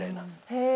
へえ！